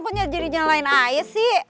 kok jadi nyalain air sih